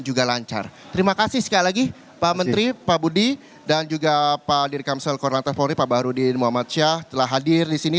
jangan lupa di sosial koronates borne pak baharudin muhammad syah telah hadir disini